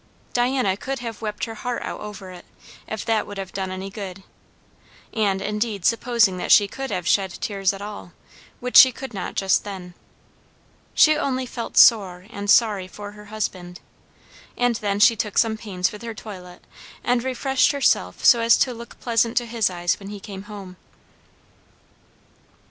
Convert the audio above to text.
Diana could have wept her heart out over it, if that would have done any good; and indeed supposing that she could have shed tears at all, which she could not just then. She only felt sore and sorry for her husband; and then she took some pains with her toilet, and refreshed herself so as to look pleasant to his eyes when he came home.